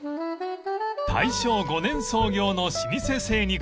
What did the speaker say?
［大正５年創業の老舗精肉店］